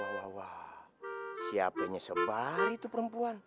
wah wah wah siapainya sebar itu perempuan